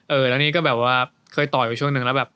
แล้วนี่ก็แบบว่าเคยต่อยไปช่วงนึงแล้วแบบ